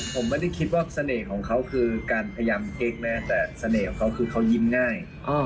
ผมไม่ได้คิดว่าเสน่ห์ของเขาคือการพยายามเค้กนะแต่เสน่ห์ของเขาคือเขายิ้มง่าย